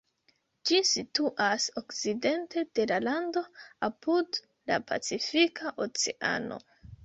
Ĝi situas okcidente de la lando, apud la Pacifika Oceano.